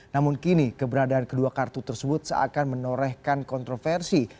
namun kini keberadaan kedua kartu tersebut seakan menorehkan kontroversi